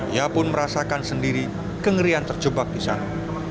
ia pun merasakan sendiri kengerian terjebak di sana